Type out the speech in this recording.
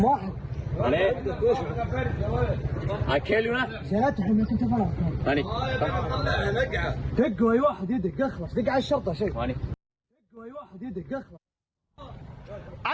มานี่